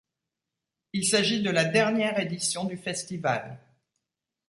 Il s'agit de la dernière édition du festival.